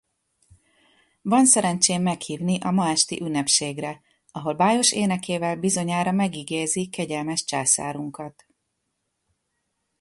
Van szerencsém meghívni a ma esti ünnepségre, ahol bájos énekével bizonyára megigézi kegyelmes császárunkat.